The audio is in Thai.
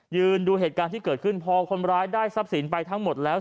ดูเหตุการณ์ที่เกิดขึ้นพอคนร้ายได้ทรัพย์สินไปทั้งหมดแล้ว